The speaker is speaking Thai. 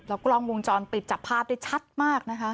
กล้องวงจรปิดจับภาพได้ชัดมากนะคะ